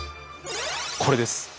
これです。